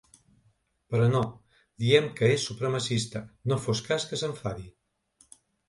Però no, diem que és supremacista, no fos cas que s’enfadi.